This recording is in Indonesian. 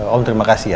om terima kasih ya